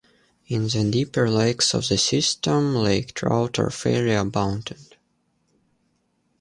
In the deeper lakes of the system, lake trout are fairly abundant.